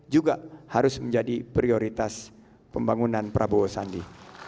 juga harus menjadi prioritas pembangunan prabowo sandi